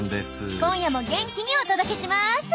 今夜も元気にお届けします！